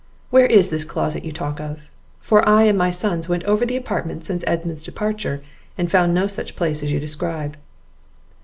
"Where is this closet you talk of? for I and my sons went over the apartment since Edmund's departure, and found no such place as you describe."